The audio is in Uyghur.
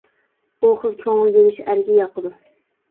ئۇ خىل كۆڭۈل بۆلۈش ئەرگە ياقىدۇ.